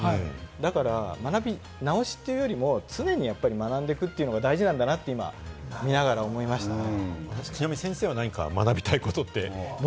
だから学び直しと言うより常に学んでいくというのが大事なんだなと、ちなみに先生は学びたいことって？